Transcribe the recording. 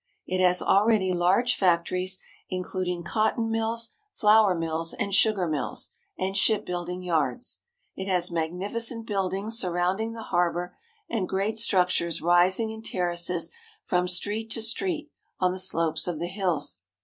It has already large factories, including cotton mills, flour mills, and sugar mills and shipbuilding yards. It has magnifi cent buildings surrounding the harbor, and great structures rising in terraces from street to street on the slopes of the hills.